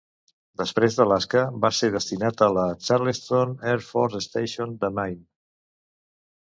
Després d'Alaska, va ser destinat a la Charleston Air Force Station de Maine.